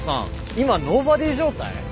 今ノーバディ状態？